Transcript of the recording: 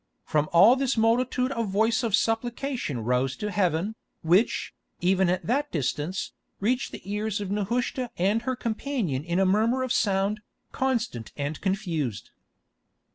From all this multitude a voice of supplication rose to heaven, which, even at that distance, reached the ears of Nehushta and her companion in a murmur of sound, constant and confused.